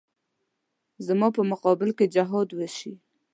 زما په مقابل کې جهاد وشي.